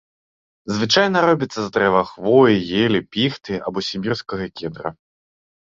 Звычайна робіцца з дрэва хвоі, елі, піхты або сібірскага кедра.